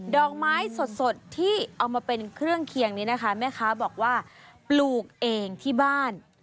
ดอกไม้สดที่เอามาเป็นเครื่องเคียงนี้นะคะแม่ค้าบอกว่าปลูกเองที่บ้าน